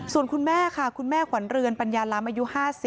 ส่วนคุณแม่ค่ะคุณแม่ขวัญเรือนปัญญาล้ำอายุ๕๐